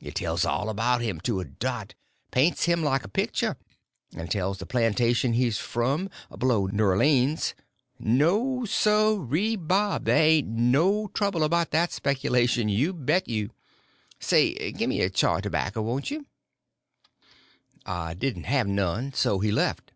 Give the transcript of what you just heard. It tells all about him, to a dot—paints him like a picture, and tells the plantation he's frum, below Newr_leans_. No sirree bob, they ain't no trouble 'bout that speculation, you bet you. Say, gimme a chaw tobacker, won't ye?" I didn't have none, so he left.